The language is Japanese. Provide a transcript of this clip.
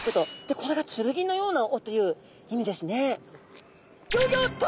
これが剣のような尾という意味ですね。